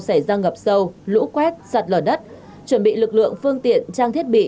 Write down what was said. xảy ra ngập sâu lũ quét sạt lở đất chuẩn bị lực lượng phương tiện trang thiết bị